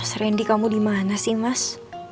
mas randy kamu dimana sih mas